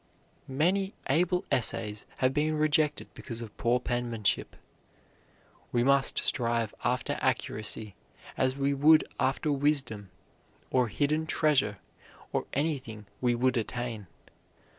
Many able essays have been rejected because of poor penmanship. We must strive after accuracy as we would after wisdom, or hidden treasure or anything we would attain.